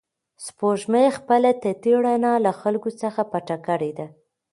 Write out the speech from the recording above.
سپوږمۍ خپله تتې رڼا له خلکو څخه پټه کړې ده.